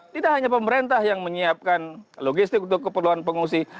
tidak hanya pemerintah yang menyiapkan logistik untuk keperluan pengungsi